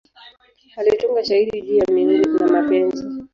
Alitunga shairi juu ya miungu na mapenzi.